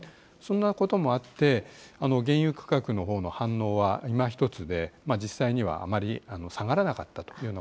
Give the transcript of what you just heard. そんなこともあって、原油価格のほうの反応はいまひとつで、実際にはあまり下がらなかったというよう